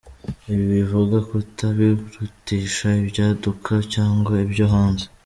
Ibi bivuga kutabirutisha ibyaduka cyangwa ibyo hanze.